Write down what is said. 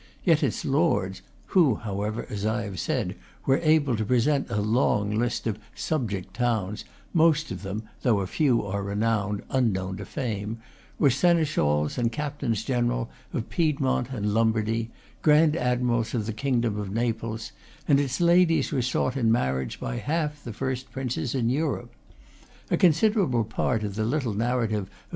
Yet its lords (who, however, as I have said, were able to present a long list of subject towns, most of them, though a few are renowned, unknown to fame) were seneschals and captains general of Piedmont and Lombardy, grand admirals of the kingdom of Naples, and its ladies were sought in marriage by half the first princes in Europe. A considerable part of the little narrative of M.